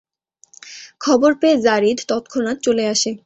খবর পেয়ে যারীদ তৎক্ষণাৎ চলে আসে।